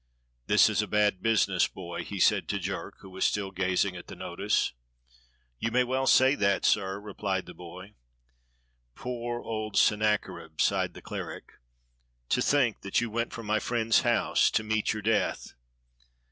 "This is a bad business, boy," he said to Jerk, who was still gazing at the notice. "You may well say that, sir," replied the boy. "Poor old Sennacherib," sighed the cleric. "To think that you went from my friend's house to meet your death.